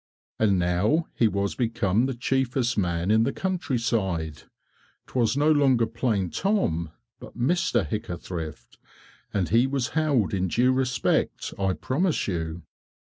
And now he was become the chiefest man in the country side; 't was no longer plain Tom, but Mr. Hickathrift, and he was held in due respect I promise you.